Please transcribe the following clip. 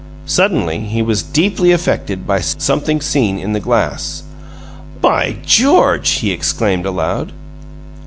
Suddenly, he was deeply affected by something seen in the glass. "By George!" he exclaimed aloud.